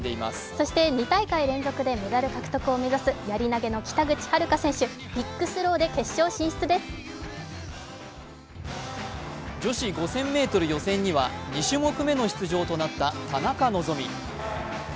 そして２大会連続でメダル獲得を目指す、やり投の北口榛花選手、女子５０００ｍ予選には２種目めの出場となった田中希実。